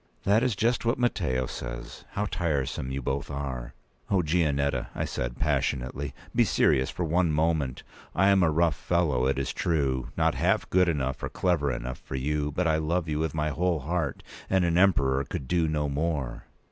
"That is just what Matteo says. How tiresome you both are!" "O, Gianetta," I said, passionately, "be serious for one moment! I am a rough fellow, it is true—not half good enough or clever enough for you; but I love you with my whole heart, and an Emperor could do no more."